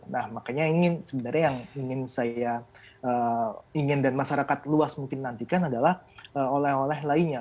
nah makanya sebenarnya yang ingin saya ingin dan masyarakat luas mungkin nantikan adalah oleh oleh lainnya